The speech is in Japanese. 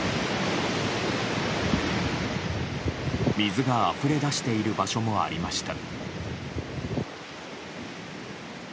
水があふれ出している場所もありました。